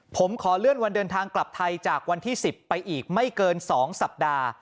ผมขอเลื่อนวันเดินทางกลับไทยจากวันที่๑๐ไปอีกไม่เกิน๒สัปดาห์